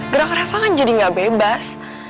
gerak refah kan jadi nggak bebas